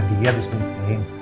dia habis mending